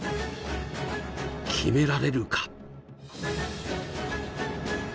決められるか？